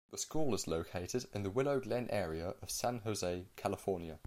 The school is located in the Willow Glen area of San Jose, California.